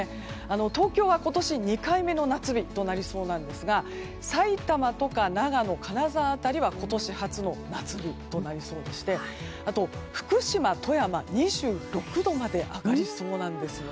東京は今年２回目の夏日となりそうなんですがさいたまとか長野、金沢辺りは今年初の夏日となりそうでしてあと、福島、富山２６度まで上がりそうなんですよね。